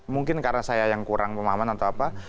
mungkin karena saya yang kurang pemahaman atau apa